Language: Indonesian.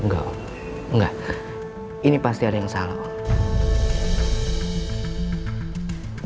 ga ga ini pasti ada yang salah om